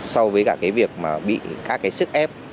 so với cả cái việc mà bị các cái sức ép